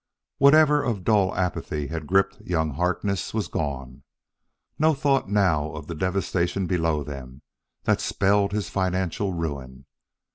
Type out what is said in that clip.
Whatever of dull apathy had gripped young Harkness was gone. No thought now of the devastation below them that spelled his financial ruin.